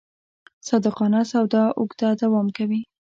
صادقانه سودا اوږده دوام کوي.